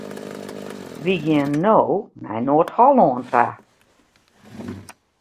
Wy gean no nei Noard-Hollân ta.